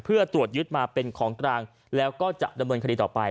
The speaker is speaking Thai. เพื่อตรวจยึดมาเป็นของกลางแล้วก็จะดำเนินคดีต่อไป